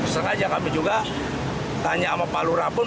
sengaja kami juga tanya sama pak lurah pun